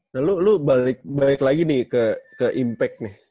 nah lu lu balik balik lagi nih ke ke impact nih